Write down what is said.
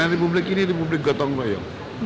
di publik ini di publik gotong royong